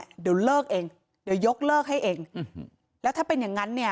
ไม่ใช่ว่านิ่งเฉย